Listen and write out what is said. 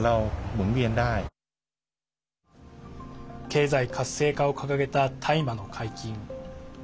経済活性化を掲げた大麻の解禁。